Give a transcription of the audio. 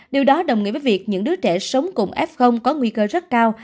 điều đó đồng nghĩa với việc những đứa trẻ sống cùng f có nguy cơ rất cao